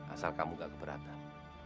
asal kamu gak keberatan